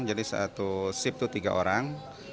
jadi satu sip itu tiga orang